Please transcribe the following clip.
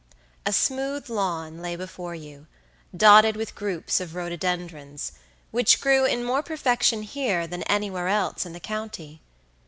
A smooth lawn lay before you, dotted with groups of rhododendrons, which grew in more perfection here than anywhere else in the county.